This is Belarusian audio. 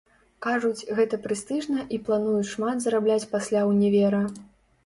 Кажуць, гэта прэстыжна, і плануюць шмат зарабляць пасля ўнівера.